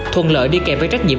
thuần lợi đi kèm với trách nhiệm